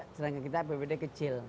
sedangkan kita apbd kecil